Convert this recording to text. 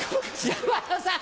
山田さん！